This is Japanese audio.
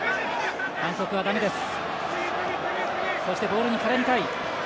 反則は、だめです。